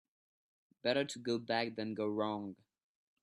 Better to go back than go wrong.